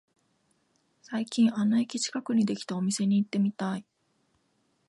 最近あの駅近くにできたお店に行ってみたい